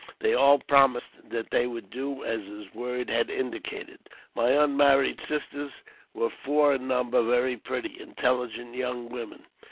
They all promised that they would do as his words had indicated. My unmarried sisters were four in number, very pretty, intelligent young women.